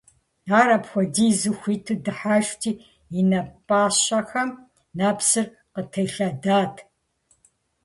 Ар апхуэдизу хуиту дыхьэшхти, и нэ пӀащэхэм нэпсыр къытелъэдат.